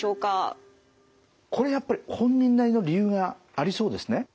これやっぱり本人なりの理由がありそうですね。